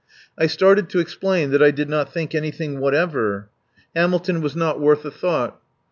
I started to explain that I did not think anything whatever. Hamilton was not worth a thought.